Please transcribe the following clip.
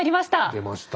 出ました！